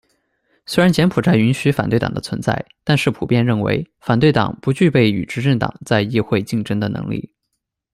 虽然柬埔寨允许反对党的存在，但是普遍认为反对党不具备与执政党在议会竞争的能力。